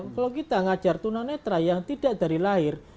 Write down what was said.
kalau kita mengajar tuna netra yang tidak dari lahir